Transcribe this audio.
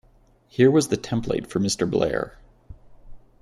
Here was the template for Mr Blair.